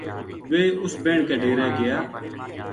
ویہ اس بہن کے ڈیرے گیا